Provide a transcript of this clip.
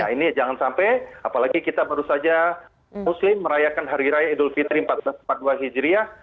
ini jangan sampai apalagi kita baru saja muslim merayakan hari raya idul fitri seribu empat ratus empat puluh dua hijriah